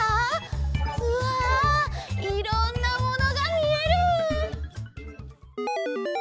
うわいろんなものがみえる！